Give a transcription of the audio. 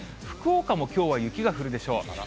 福岡もきょうは雪が降るでしょう。